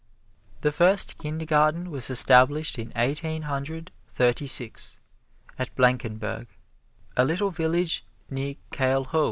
The first Kindergarten was established in Eighteen Hundred Thirty six, at Blankenburg, a little village near Keilhau.